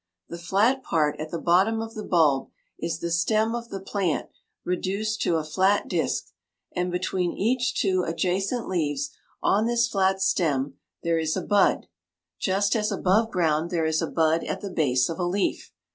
The flat part at the bottom of the bulb is the stem of the plant reduced to a flat disk, and between each two adjacent leaves on this flat stem there is a bud, just as above ground there is a bud at the base of a leaf.